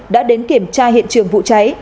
đã đến kiểm tra hiện trường vụ trái